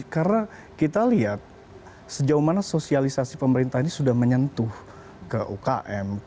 karena kita lihat sejauh mana sosialisasi pemerintah ini sudah menyentuh ke ukm